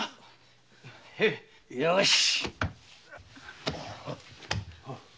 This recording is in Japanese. よし。